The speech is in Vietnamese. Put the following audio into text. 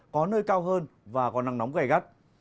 có nơi cao hơn và có nắng nóng gai gắt